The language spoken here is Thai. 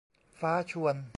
ฟ้าชวน